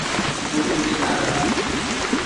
او پولی ندارد.